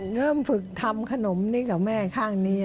เริ่มฝึกทำขนมนี้กับแม่ข้างนี้